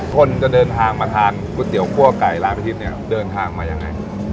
คนจะเดินทางมาทานก๋วยเตี๋ยคั่วไก่ร้านอาทิตย์เนี่ยเดินทางมายังไง